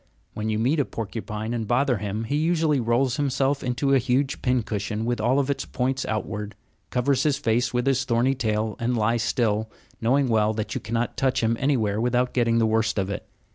When you meet a porcupine and bother him, he usually rolls himself into a huge pincushion with all its points outward, covers his face with his thorny tail, and lies still, knowing well that you cannot touch him anywhere without getting the worst of it.